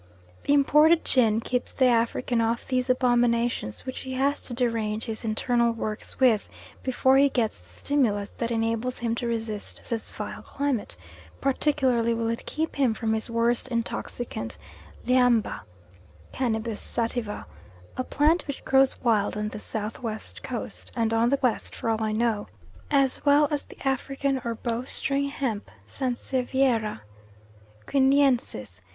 The imported gin keeps the African off these abominations which he has to derange his internal works with before he gets the stimulus that enables him to resist this vile climate; particularly will it keep him from his worst intoxicant lhiamba (Cannabis sativa), a plant which grows wild on the South West Coast and on the West for all I know, as well as the African or bowstring hemp (Sanseviera guiniensis).